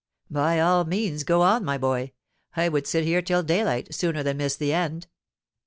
"By all means go on, my boy. I would sit here till day light, sooner than miss the end."